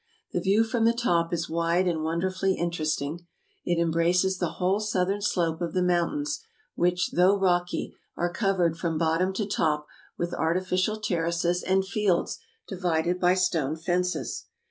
The view from the top is wide and wonderfully interest ing. It embraces the whole southern slope of the moun tains, which, though rocky, are covered from bottom to top with artificial terraces and fields divided by stone fences.